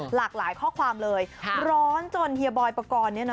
หลากหลายข้อความเลยร้อนจนเฮียบอยปกรณ์เนี่ยนะ